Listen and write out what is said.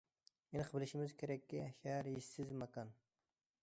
ئېنىق بىلىشىمىز كېرەككى، شەھەر ھېسسىز ماكان.